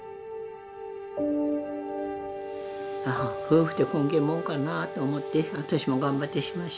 夫婦ってこげんもんかなと思って私も頑張ってしましたね。